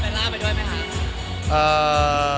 เทคนิคส่วนเวลาไปด้วยไหมครับ